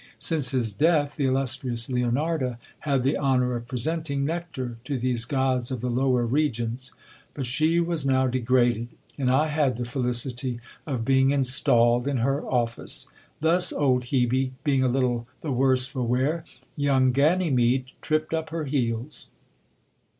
Since his death, the illustrious Leonarda had the honour of presenting nectar to these gods of the lower regions. But she was now degraded, and I had the felicity of being installed in her office. Thus, old Hebe being a little the worse for wear, young Ganymede tripped up her heels.